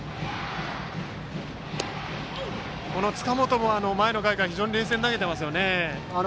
塚本も前の回から非常に冷静に投げていますよね。